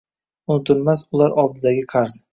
Unutilmas ular oldidagi qarz.